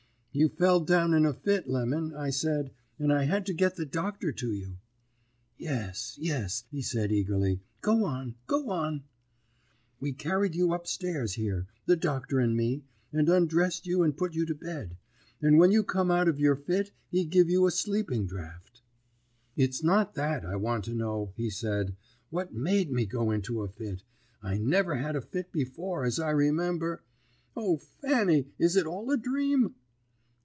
"'You fell down in a fit, Lemon,' I said, 'and I had to get the doctor to you.' "'Yes, yes,' he said eagerly. 'Go on go on.' "'We carried you up stairs here, the doctor and me, and undressed you and put you to bed; and when you come out of your fit he give you a sleeping draught.' "'It's not that I want to know,' he said. 'What made me go into a fit? I never had a fit before, as I remember. O Fanny, is it all a dream?'